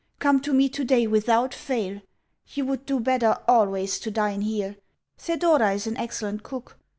Come to me today without fail. You would do better ALWAYS to dine here. Thedora is an excellent cook.